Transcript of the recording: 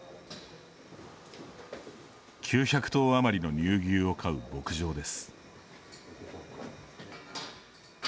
９００頭余りの乳牛を飼う牧場です。